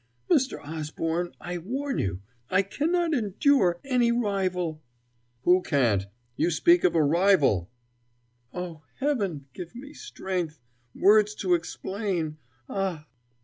"Mr. Osborne I warn you I cannot endure any rival " "Who can't? you speak of a rival!" "Oh, Heaven, give me strength words to explain. Ah!..."